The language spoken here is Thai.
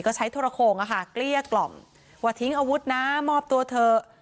ก็ใช้โทรโขงเกลี้ยกล่อมว่าทิ้งอาวุธนะมอบตัวเถอะ